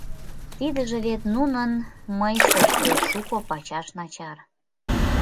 Тидыже вет нунын мыйсышт деч шуко пачаш начар.